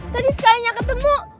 tadi sekalinya ketemu